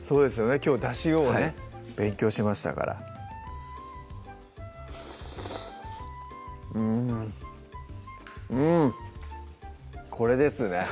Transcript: きょうはだしをね勉強しましたからうんうんこれですね